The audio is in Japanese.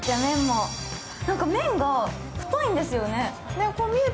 麺が太いんですよね。